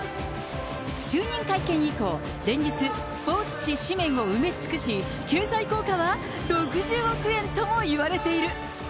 就任会見以降、連日、スポーツ紙紙面を埋め尽くし、経済効果は６０億円とも言われている。